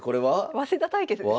早稲田対決ですね。